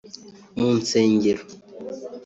mu nsengero